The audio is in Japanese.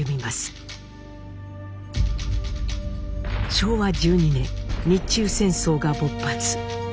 昭和１２年日中戦争が勃発。